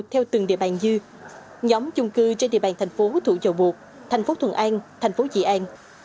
theo từng địa bàn dư nhóm chung cư trên địa bàn thành phố thủ dầu bột thành phố thuận an thành phố dị an